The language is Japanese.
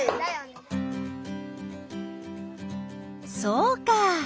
そうか！